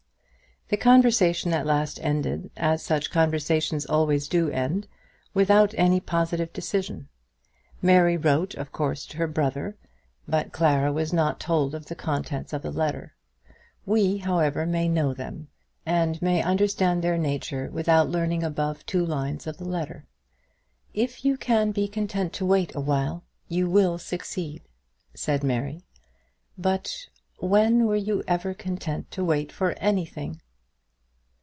The conversation at last ended, as such conversations always do end, without any positive decision. Mary wrote of course to her brother, but Clara was not told of the contents of the letter. We, however, may know them, and may understand their nature, without learning above two lines of the letter. "If you can be content to wait awhile, you will succeed," said Mary; "but when were you ever content to wait for anything?"